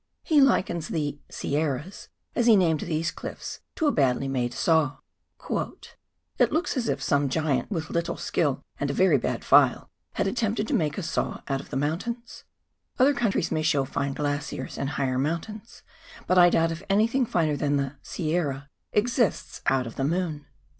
He likens the " Sierras," as he named these cliffs, to a badly made saw ;" it looks as if some giant with little skill, and a very bad file, had attempted to make a saw out of the mountains Other countries may show fine glaciers and higher mountains, but I doubt if anything finer than the * Sierra ' exists out of the moon."